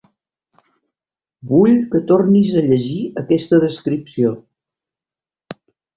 Vull que tornis a llegir aquesta descripció.